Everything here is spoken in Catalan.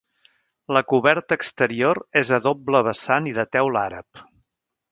La coberta exterior és a doble vessant i de teula àrab.